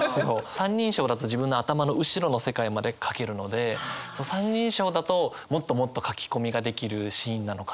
３人称だと自分の頭の後ろの世界まで書けるので３人称だともっともっと書き込みができるシーンなのかなって。